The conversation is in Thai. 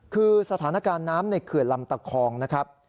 คือสถานการณ์น้ำในเขื่อนลำตะคองนะครับ